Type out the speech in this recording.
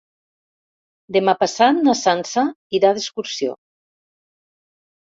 Demà passat na Sança irà d'excursió.